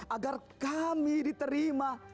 agar kami diterima